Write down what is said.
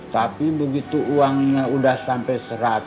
tapi begitu uangnya sudah sampai seratus